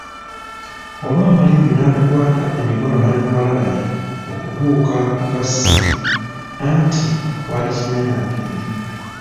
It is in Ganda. Olwamala ebyo n'atukwata emikono n'atuwalabanya okutuuka mu bassiiri, anti waali kinnya na mpindi.